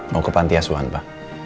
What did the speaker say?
mau ke pantiasuhan pa